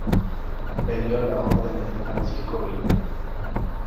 Peleó a las órdenes de Francisco Villa.